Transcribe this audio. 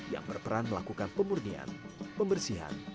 yang berperan melakukan pemurnian pembersihan